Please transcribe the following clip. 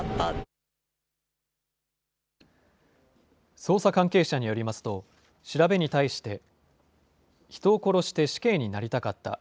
捜査関係者によりますと、調べに対して、人を殺して死刑になりたかった。